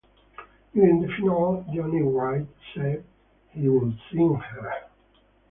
During the finale, Johnny Wright said he would sign her.